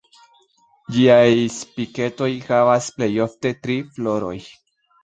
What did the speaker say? Ĝiaj Spiketoj havas plej ofte tri floroj.